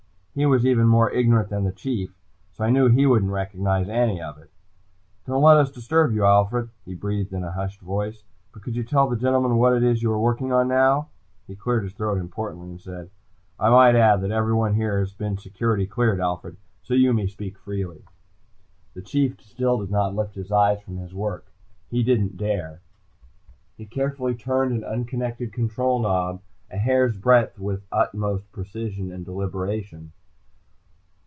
He was even more ignorant than the Chief, so I knew he wouldn't recognize any of it. "Don't let us disturb you, Alfred," he breathed in a hushed voice. "But could you tell the gentlemen what you are working on now?" He cleared his throat importantly and said, "I might add that everyone here has been security cleared, Alfred, so you may speak freely." The Chief still did not lift his eyes from his work. He didn't dare. He carefully turned an unconnected control knob a hairsbreadth with utmost deliberation and precision.